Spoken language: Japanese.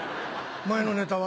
前のネタは？